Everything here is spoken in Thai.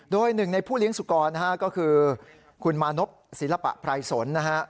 โดยหนึ่งในผู้เลี้ยงสุกรนะฮะก็คือคุณมานพศิลปะไพรสนนะฮะ